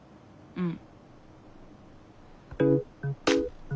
うん。